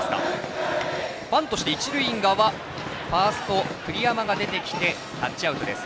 バントして一塁側ファースト、栗山が出てきてタッチアウトです。